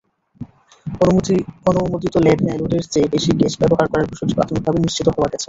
অনুমোদিত লোডের চেয়ে বেশি গ্যাস ব্যবহার করার বিষয়টি প্রাথমিকভাবে নিশ্চিত হওয়া গেছে।